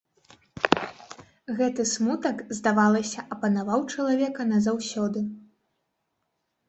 Гэты смутак, здавалася, апанаваў чалавека назаўсёды.